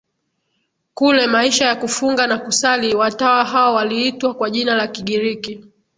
kule maisha ya kufunga na kusali Watawa hao waliitwa kwa jina la Kigiriki